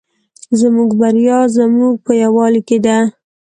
زموږ بریا زموږ په یوالي کې ده